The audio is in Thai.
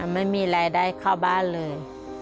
ไม่มีรายได้เข้าบ้านเลย